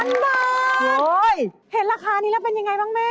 เมื่อเขาเห็นราคานี้แล้วเป็นอย่างไรบ้างแม่